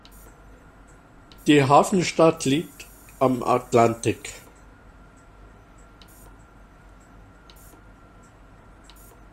Die Hafenstadt liegt am Atlantik.